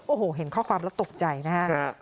โอ้โหเห็นข้อความแล้วตกใจนะฮะ